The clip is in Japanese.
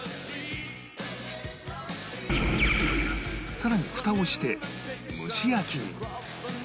さらにフタをして蒸し焼きに